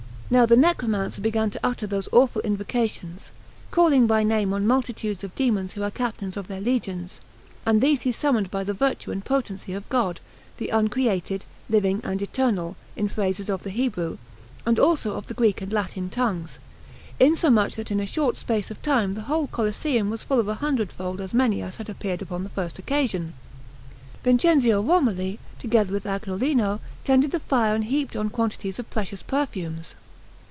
Now the necromancer began to utter those awful invocations, calling by name on multitudes of demons who are captains of their legions, and these he summoned by the virtue and potency of God, the Uncreated, Living, and Eternal, in phrases of the Hebrew, and also of the Greek and Latin tongues; insomuch that in a short space of time the whole Coliseum was full of a hundredfold as many as had appeared upon the first occasion. Vincenzio Romoli, together with Agnolino, tended the fire and heaped on quantities of precious perfumes.